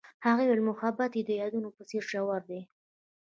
هغې وویل محبت یې د یادونه په څېر ژور دی.